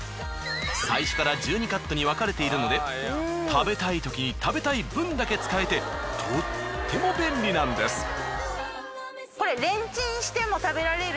最初から１２カットに分かれているので食べたいときに食べたい分だけ使えてとっても便利なんです。